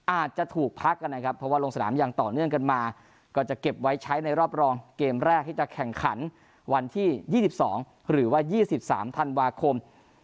อาจจะถูกพักกันนะครับเพราะว่าลงสนามอย่างต่อเนื่องกันมาก็จะเก็บไว้ใช้ในรอบรองเกมแรกที่จะแข่งขันวันที่๒๒หรือว่า๒๓ธันวาคม